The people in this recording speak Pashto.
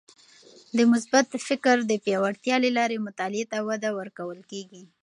د مثبت فکر د پیاوړتیا له لارې مطالعې ته وده ورکول کیږي.